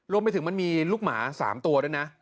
รวมไปถึงมันมีลูกหมา๓ตัวด้วยนะ